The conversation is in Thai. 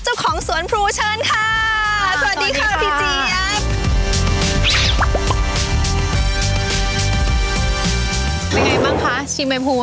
เจ้าของสวนพลูเชิญค่ะสวัสดีค่ะพี่เจี๊ยบู